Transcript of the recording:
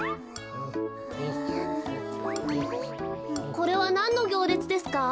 これはなんのぎょうれつですか？